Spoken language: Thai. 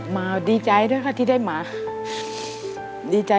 มาดีใจนะค่ะที่ได้มา